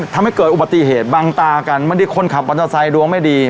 ทำให้เกิดอุบัติเหตุบังตากันเหมือนที่คนขับอันตราไซด์ดวงไม่ดี